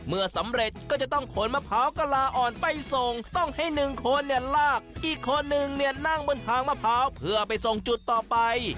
เมื่อสำเร็จก็จะต้องขนมะพร้าวกะลาอ่อนไปส่งต้องให้หนึ่งคนเนี่ยลากอีกคนนึงเนี่ยนั่งบนทางมะพร้าวเพื่อไปส่งจุดต่อไป